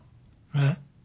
えっ？